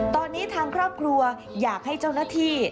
ตอนนี้ทางครอบครัวอยากให้เจ้าหน้าที่